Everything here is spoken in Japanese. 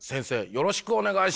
よろしくお願いします。